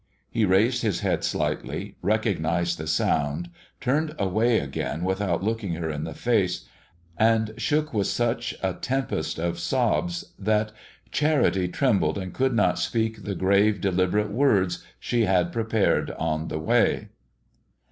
He raised his head slightly, recognized the sound, turned away again without looking her in the face, and shook with such a tempest of sobs that Charity trembled and could not speak the grave, deliberate words she had prepared on the way.